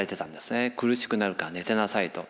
苦しくなるから寝てなさいと。